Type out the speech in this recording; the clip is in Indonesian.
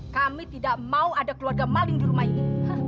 kami tidak mau ada keluarga maling di rumah ini